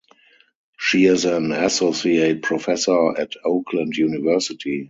She is an associate professor at Oakland University.